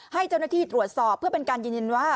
ให้เจ้าหน้าที่ตรวจสอบเพื่อเป็นการยืนยันว่า